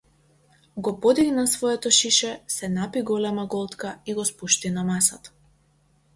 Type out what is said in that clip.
Го подигна своето шише, се напи голема голтка и го спушти на масата.